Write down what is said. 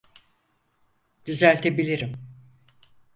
Düzeltebilirim.